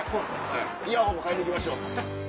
イヤホンも買いに行きましょう。